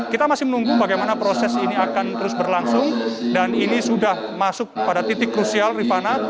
kita masih menunggu bagaimana proses ini akan terus berlangsung dan ini sudah masuk pada titik krusial rifana